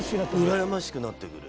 うらやましくなってくる。